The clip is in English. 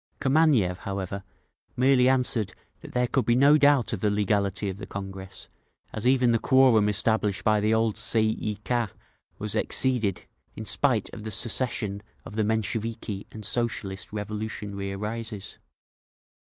Kameniev, however, merely answered that there could be no doubt of the legality of the Congress, as even the quorum established by the old Tsay ee Kah was exceeded—in spite of the secession of the Mensheviki and Socialist Revolution arises….